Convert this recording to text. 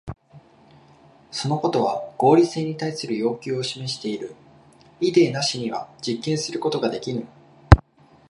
そのことは合理性に対する要求を示している。イデーなしには実験することができぬ。